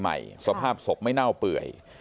สภาพศพไม่เน่าเปื่อย